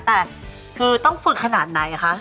แต่คือต้องฝึกขนาดไหนคะ